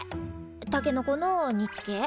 たけのこの煮つけ？